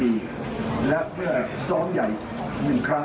ในเวลาเดิมคือ๑๕นาทีครับ